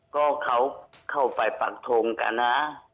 ก็เขาเข้าไปปักทงกันนะ